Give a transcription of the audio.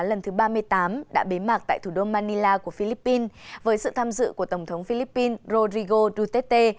lần thứ ba mươi tám đã bế mạc tại thủ đô manila của philippines với sự tham dự của tổng thống philippines rodrigo duterte